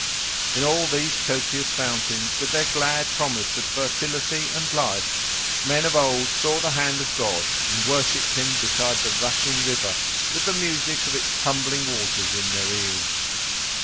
In all these copious fountains, with their glad promise of fertility and life, men of old saw the hand of God and worshipped him beside the rushing river with the music of its tumbling waters in their ears.